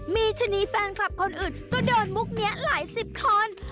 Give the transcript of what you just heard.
มีชะนีแฟนคลับคนอื่นก็โดนมุกนี้หลายสิบคน